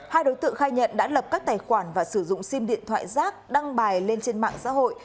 hai đối tượng khai nhận đã lập các tài khoản và sử dụng sim điện thoại rác đăng bài lên trên mạng xã hội